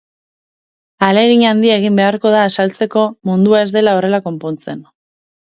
Ahalegin handia egin beharko da azaltzeko mundua ez dela horrela konpontzen.